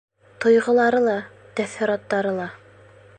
Тойғолары ла, тәьҫораттары ла.